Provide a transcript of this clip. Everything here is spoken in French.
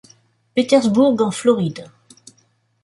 Petersburg en Floride.